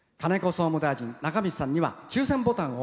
総務大臣、仲道さんには抽せんボタンを。